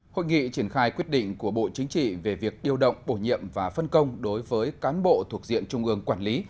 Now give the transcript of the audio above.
hội nghị triển khai quyết định của bộ chính trị về việc điều động bổ nhiệm và phân công đối với cán bộ thuộc diện trung ương quản lý